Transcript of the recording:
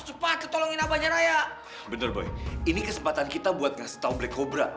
cepat tolongin abahnya raya bener boy ini kesempatan kita buat ngasih tahu black cobra